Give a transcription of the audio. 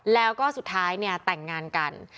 แล้วก็สุดท้ายเนี่ยแต่งงานกัน